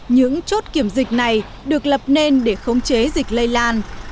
những chốt kiểm dịch này được lập nên để khống chế dịch lây lan